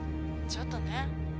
ちょっとね。